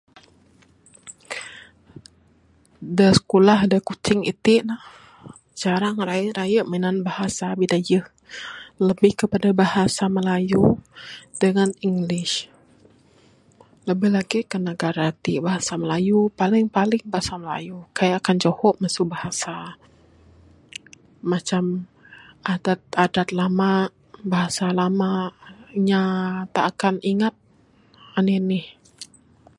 De sikulah da Kuching iti ne jarang raye raye minan bahasa bidayuh lebih kepada Bahasa melayu dangan english. Labih lagi kan negara ti bahasa melayu, paling paling bahasa melayu. Kaik akan juho masu bahasa. Macam adat adat lama, bahasa lama. Inya tak akan ingat anih anih.